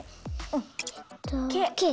えっとｋ。